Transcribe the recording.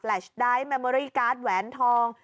ไดทแมมเมอรี่การ์ดแหวนทอง